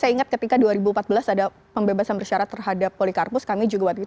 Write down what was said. saya ingat ketika dua ribu empat belas ada pembebasan bersyarat terhadap polikarpus kami juga